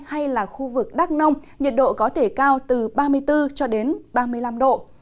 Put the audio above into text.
hay là khu vực đắk nông nhiệt độ có thể cao từ ba mươi bốn ba mươi năm độ